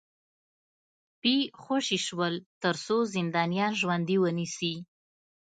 سپي خوشي شول ترڅو زندانیان ژوندي ونیسي